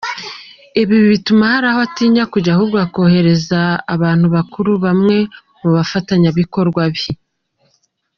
Ibi bituma hari aho atinya kujya ahubwo akoherezayo abantu bakuru, bamwe mu bafatanyabikorwa be.